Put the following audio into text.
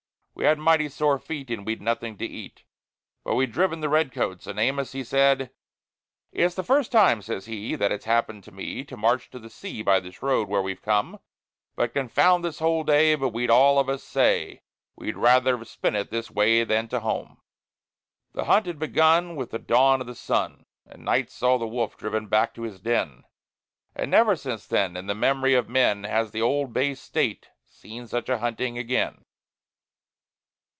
We had mighty sore feet, and we'd nothing to eat; But we'd driven the Red Coats, and Amos, he said: "It's the first time," says he, "that it's happened to me To march to the sea by this road where we've come; But confound this whole day, but we'd all of us say We'd rather have spent it this way than to home." The hunt had begun with the dawn of the sun, And night saw the wolf driven back to his den. And never since then, in the memory of men, Has the Old Bay State seen such a hunting again.